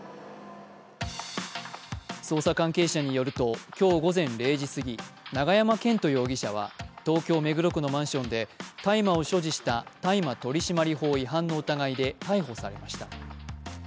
捜査関係者によると、今日午前０時過ぎ永山絢斗容疑者は、東京・目黒区のマンションで大麻を所持した大麻取締法違反の疑いで逮捕されました。